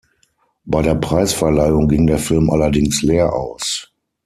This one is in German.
Bei der Preisverleihung ging der Film allerdings leer aus.